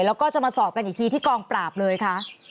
แล้วก็จะมาสอบกันอีกทีที่กองปราบเลยคะ